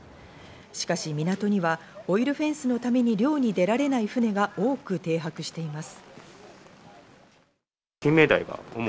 しかし、港にはオイルフェンスのために漁に出られない船が多く停泊しています。